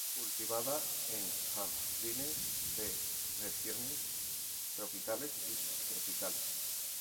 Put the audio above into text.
Cultivada en jardines de regiones tropicales y subtropicales.